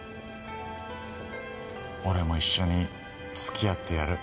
俺も一緒に付き合ってやる。